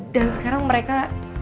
dan sekarang mereka